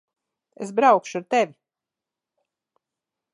Es braukšu ar tevi.